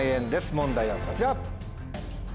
問題はこちら。